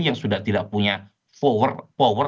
yang sudah tidak punya power